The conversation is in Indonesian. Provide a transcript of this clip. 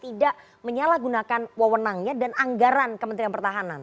tidak menyalahgunakan wewenangnya dan anggaran kementerian pertahanan